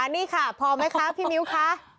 นี่ค่ะพอไหมคะพี่มิ้วคะ